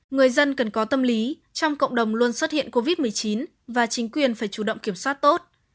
người dân cần có tâm lý trong cộng đồng luôn xuất hiện covid một mươi chín và chính quyền phải chủ động kiểm soát tốt